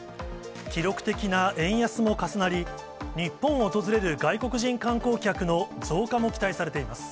記録的な円安も重なり、日本を訪れる外国人観光客の増加も期待されています。